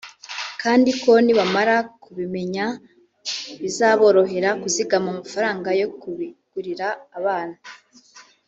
kandi ko nibamara kubimenya bizaborohera kuzigama amafaranga yo kubigurira abana